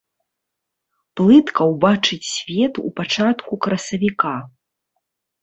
Плытка ўбачыць свет ў пачатку красавіка.